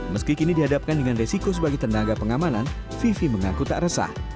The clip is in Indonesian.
meski kini dihadapkan dengan resiko sebagai tenaga pengamanan vivi mengaku tak resah